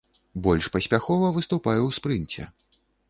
Больш паспяхова выступае ў спрынце.